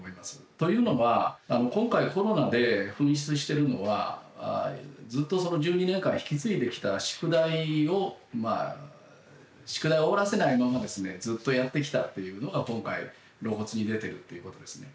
というのは今回コロナで噴出してるのはずっと１２年間引き継いできた宿題を宿題を終わらせないままですねずっとやってきたっていうのが今回露骨に出てるということですね。